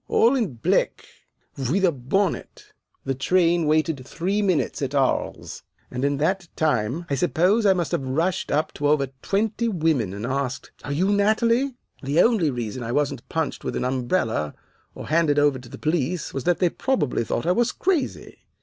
'All in black, with a bonnet!' "The train waited three minutes at Aries, and in that time I suppose I must have rushed up to over twenty women and asked, 'Are you Natalie?' The only reason I wasn't punched with an umbrella or handed over to the police was that they probably thought I was crazy.